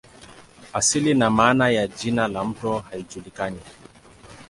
Asili na maana ya jina la mto haijulikani.